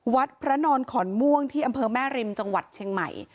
วัดพระนอนขอนม่วงที่อำเภอแม่ริมจังหวัดเชียงใหม่